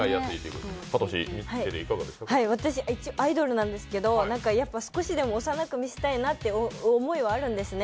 私、アイドルなんですけど、少しでも幼く見せたいなという思いがあるんですね。